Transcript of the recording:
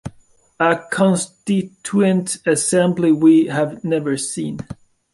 A constituent assembly we have never seen.